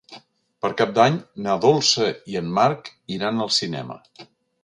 Per Cap d'Any na Dolça i en Marc iran al cinema.